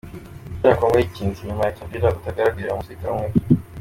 Gutera Congo yikinze inyuma ya Kabila utaragiraga n’umusirikare umwe